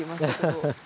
ハハハハ。